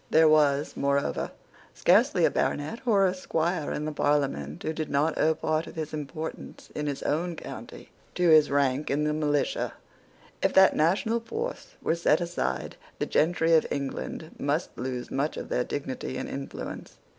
There was, moreover, scarcely a baronet or a squire in the Parliament who did not owe part of his importance in his own county to his rank in the militia. If that national force were set aside, the gentry of England must lose much of their dignity and influence.